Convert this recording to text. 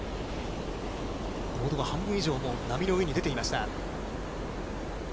ボードが半分以上、もう波の上に出ていました。